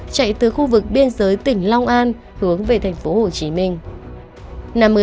chạy từ khu vực biên giới tỉnh long an hướng về thành phố hồ chí minh